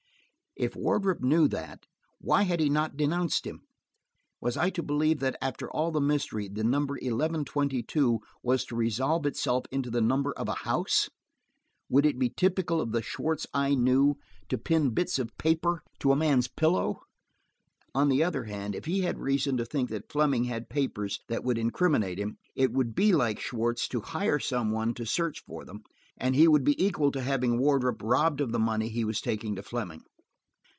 If Wardrop knew that, why had he not denounced him? Was I to believe that, after all the mystery, the number eleven twenty two was to resolve itself into the number of a house? Would it be typical of the Schwartz I knew to pin bits of paper to a man's pillow? On the other hand, if he had reason to think that Fleming had papers that would incriminate him, it would be like Schwartz to hire some one to search for them, and he would be equal to having Wardrop robbed of the money he was taking to Fleming.